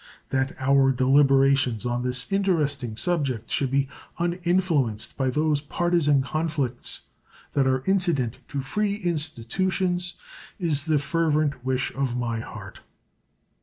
That our deliberations on this interesting subject should be uninfluenced by those partisan conflicts that are incident to free institutions is the fervent wish of my heart.